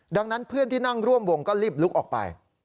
ดังนั้นเพื่อนที่นั่งร่วมวงก็รีบลุกออกไป